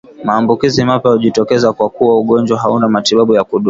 Maambukizi mapya hujitokeza kwakuwa ugonjwa hauna matibabu ya kudumu